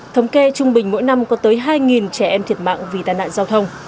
thống kê trung bình mỗi năm có tới hai trẻ em thiệt mạng vì tàn nạn giao thông